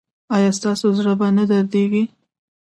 ایا ستاسو زړه به نه دریدي؟